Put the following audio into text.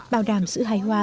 bao đàm sự hài hoa